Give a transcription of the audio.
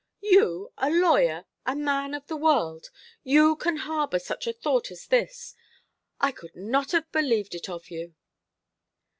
You, a lawyer, a man of the world! You can harbour such a thought as this! I could not have believed it of you."